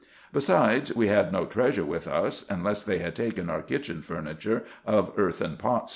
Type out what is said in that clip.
Besides, we had no treasure with us, unless they had taken our kitchen furniture of earthen pots, &c.